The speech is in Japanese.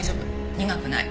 苦くない。